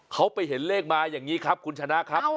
เขาไปเห็นเลขมาอย่างนี้ครับคุณชนะครับ